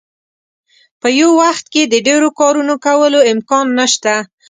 په یو وخت کې د ډیرو کارونو کولو امکان نشته.